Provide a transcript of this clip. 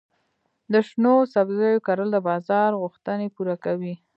د شنو سبزیو کرل د بازار غوښتنې پوره کوي.